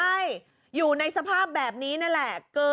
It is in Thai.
ใช่อยู่ในสภาพแบบนี้นั่นแหละ